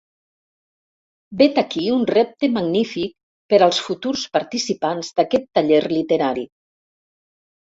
Vet aquí un repte magnífic per als futurs participants d'aquest taller literari.